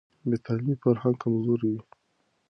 بې تعلیمه فرهنګ کمزوری وي.